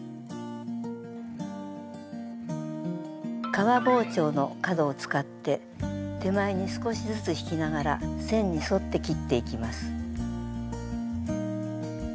革包丁の角を使って手前に少しずつ引きながら線に沿って切っていきます。